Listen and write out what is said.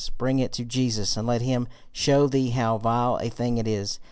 Bring it to Jesus, and let him show thee how vile a thing it is.